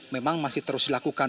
memang masih terus dilakukan